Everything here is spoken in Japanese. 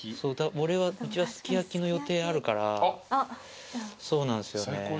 うちはすき焼きの予定あるからそうなんすよね。